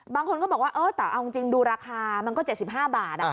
บางคนก็บอกว่าเออแต่เอาจริงดูราคามันก็๗๕บาท